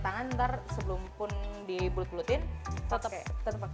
tangan ntar sebelum pun di bulut bulutin tetep pakai minyak